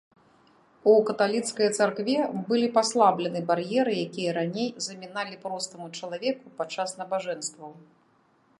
У каталіцкай царкве былі паслаблены бар'еры, якія раней заміналі простаму чалавеку падчас набажэнстваў.